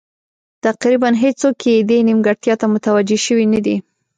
تقریبا هېڅوک یې دې نیمګړتیا ته متوجه شوي نه دي.